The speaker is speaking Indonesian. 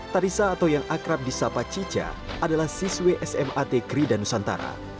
tarisa atau yang akrab di sapa cica adalah siswe smat kri dan nusantara